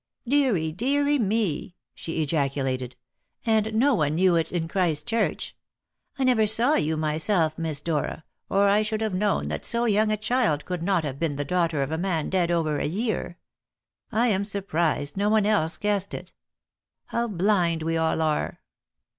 "Deary, deary me!" she ejaculated. "And no one knew it in Christchurch! I never saw you myself, Miss Dora, or I should have known that so young a child could not have been the daughter of a man dead over a year. I am surprised no one else guessed it. How blind we all are!"